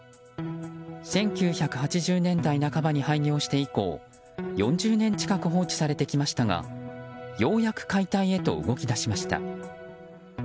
１９８０年代半ばに廃業して以降４０年近く放置されてきましたがようやく解体へと動き出しました。